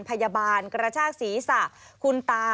พยาบาลกระชากศีรษะคุณตา